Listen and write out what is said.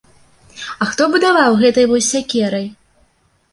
А хто будаваў гэтай вось сякерай?